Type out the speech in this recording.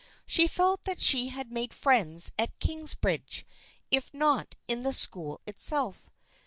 She felt that she had made friends at Kingsbridge, if not in the school itself.